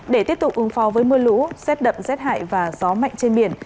để tiếp tục ứng phó với mưa lũ xét đậm xét hại và gió mạnh trên biển